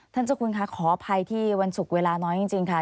เจ้าคุณค่ะขออภัยที่วันศุกร์เวลาน้อยจริงค่ะ